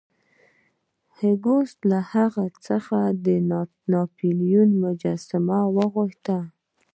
هولمز له هغه څخه د ناپلیون مجسمه وغوښته.